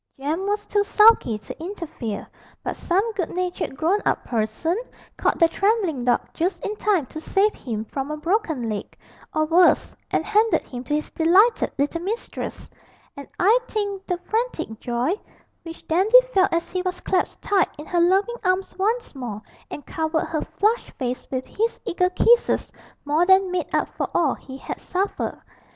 Jem was too sulky to interfere, but some good natured grown up person caught the trembling dog just in time to save him from a broken leg, or worse, and handed him to his delighted little mistress; and I think the frantic joy which Dandy felt as he was clasped tight in her loving arms once more and covered her flushed face with his eager kisses more than made up for all he had suffered.